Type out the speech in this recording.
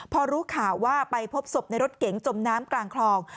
พอรู้ข่าวว่าไปพบศพในรถเก๋งจมน้ำกลางคลอง